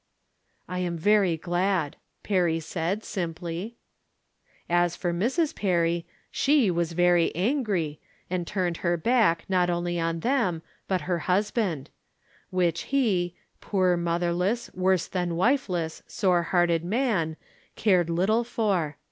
." I am very glad," Perry said, simply. As for Mrs. Perry, she was very angry, and turned her back not only on them, but her hus band ; which he, poor motherless, worse than wifeless, sore hearted man, cared little for.